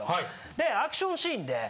でアクションシーンで。